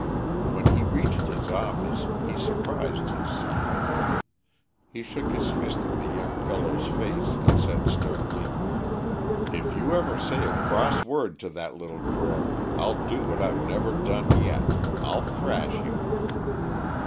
When he reached his office he surprised his son. He shook his fist in the young fellow's face, and said sternly "If you ever say a cross word to that little girl, I'll do what I've never done yet I'll thrash you!"